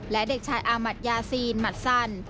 และเด็กชายอามัติยาซีนหมัดซัน